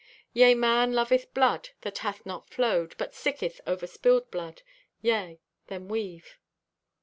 Yea, man loveth blood that hath not flowed, but sicketh o'er spilled blood. Yea, then weave."